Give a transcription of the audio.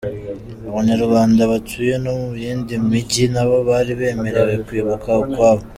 Abanyarwanda batuye no mu yindi mijyi nabo bari bemerewe kwibuka ukwabo.